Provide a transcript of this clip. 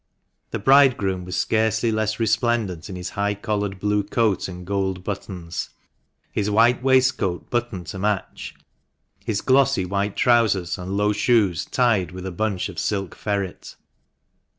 The bridegroom was scarcely less resplendent in his high collared blue coat and gold buttons, his white waistcoat buttoned to match, his glossy white trousers, and low shoes tied with a bunch of silk ferret.